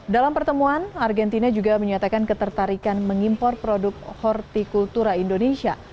dalam pertemuan argentina juga menyatakan ketertarikan mengimpor produk hortikultura indonesia